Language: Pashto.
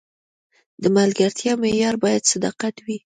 د ملګرتیا معیار باید صداقت وي.